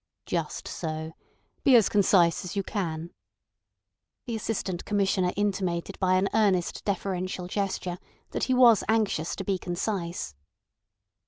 "Just so. Be as concise as you can." The Assistant Commissioner intimated by an earnest deferential gesture that he was anxious to be concise.